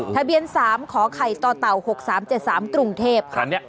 ทะเบียน๓ขอไข่ต่อเต่า๖๓๗๓กรุงเทพค่ะ